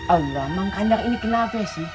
allah mang kandar ini kenapa sih